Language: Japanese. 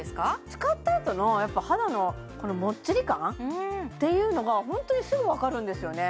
使ったあとの肌のもっちり感っていうのがホントにすぐわかるんですよね